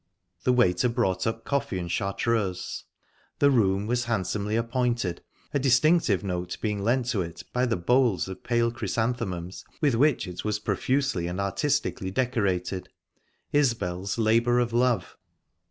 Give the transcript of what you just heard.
The waiter brought up coffee and Chartreuse. The room was handsomely appointed, a distinctive note being lent to it by the bowls of pale chrysanthemums with which it was profusely and artistically decorated Isbel's labour of love.